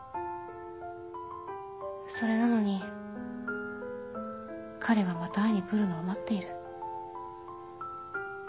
それなのに彼がまた会いに来るのを待っている